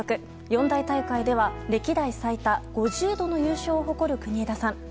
四大大会では、歴代最多５０度の優勝を誇る国枝さん。